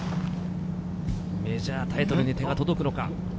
メジャータイトルに手が届くのか？